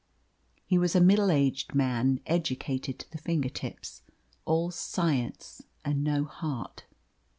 He was a middle aged man, educated to the finger tips all science and no heart.